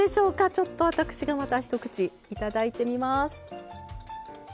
ちょっと私がまた一口いただいてみます。